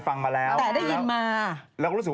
แต่ได้ยินมา